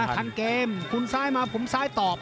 ทันเกมคุณซ้ายมาผมซ้ายตอบ